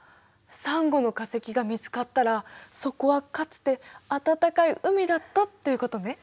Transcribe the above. サンゴの化石が見つかったらそこはかつて暖かい海だったということね。